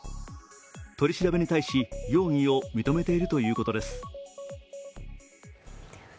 取り調べに対し、容疑を認めているということです。